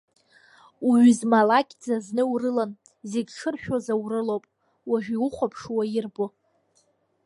Уҩызмалақьӡа зны урылан зегь шыршәоз аурылоуп, уажә иухәаԥшуа ирбо…